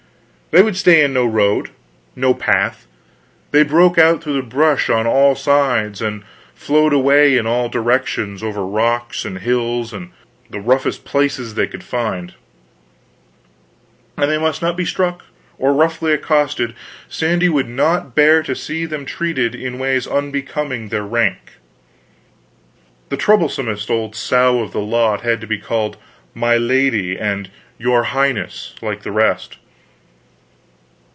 They would stay in no road, no path; they broke out through the brush on all sides, and flowed away in all directions, over rocks, and hills, and the roughest places they could find. And they must not be struck, or roughly accosted; Sandy could not bear to see them treated in ways unbecoming their rank. The troublesomest old sow of the lot had to be called my Lady, and your Highness, like the rest.